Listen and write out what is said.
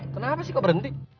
kenapa sih kok berhenti